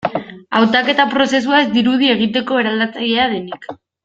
Hautaketa prozesua ez dirudi egiteko eraldatzailea denik.